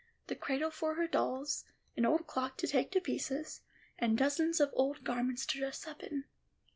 The cradle for her dolls, an old clock to take to pieces, and dozens of old garments to dress up in.